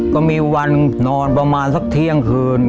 ก็มีวันนอนประมาณสักเที่ยงคืน